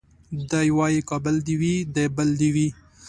دی وايي کابل دي وي د بل دي وي